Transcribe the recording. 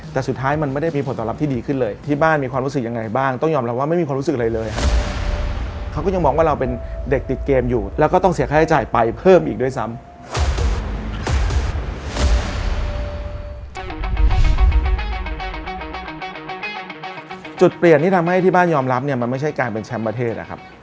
จุดเปลี่ยนนี่ทำให้ที่บ้านยอมรับมันไม่ใช่การเป็นแชมป์ประเทศนะครับ